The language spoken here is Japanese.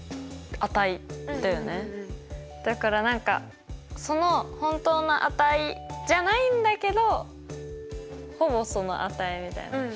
だから何かその本当の値じゃないんだけどほぼその値みたいな。